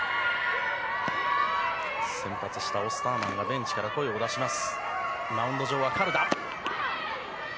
先発したオスターマンがベンチから声を出します。